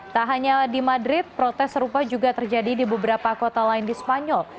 tak hanya di madrid protes serupa juga terjadi di beberapa kota lain di spanyol